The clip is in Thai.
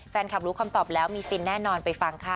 แฟนคลับรู้คำตอบแล้วมีฟินแน่นอนไปฟังค่ะ